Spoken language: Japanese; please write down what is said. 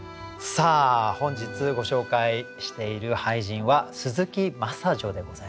本日ご紹介している俳人は鈴木真砂女でございます。